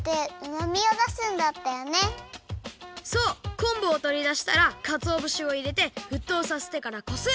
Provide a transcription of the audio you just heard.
こんぶをとりだしたらかつおぶしをいれてふっとうさせてからこす！